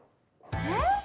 えっ？